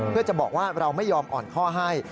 เพื่อจะบอกว่าเราไม่ยอมอ่อนข้อให้